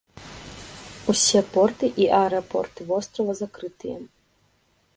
Усе порты і аэрапорты вострава закрытыя.